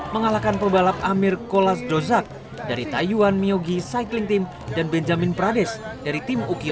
mengalahkan pebalap amir kolas dozak dari tayuan myogi cycling team dan benjamin prades dari tim ukyo